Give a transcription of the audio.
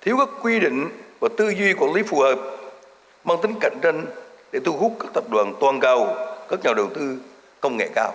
thiếu các quy định và tư duy quản lý phù hợp mang tính cạnh tranh để thu hút các tập đoàn toàn cầu các nhà đầu tư công nghệ cao